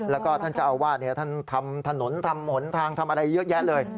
แล้วก็ท่านเจ้าอาวาสท่านทำถนนทำหนทางทำอะไรเยอะแยะเลย